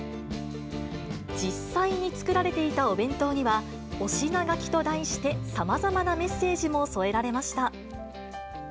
実際に作られていたお弁当には、お品書きと題して、さまざまなメッセージも添えられました。